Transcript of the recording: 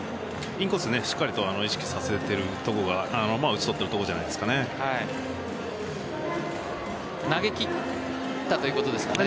インコース、しっかりと意識させているところが打ち取っているところじゃないですかね。